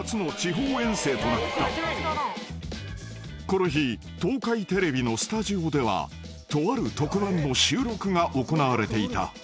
［この日東海テレビのスタジオではとある特番の収録が行われていた］